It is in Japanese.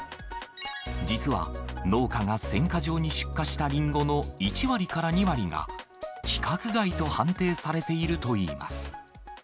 実は農家が選果場に出荷したリンゴの１割から２割が、規格外と判定されているといいます。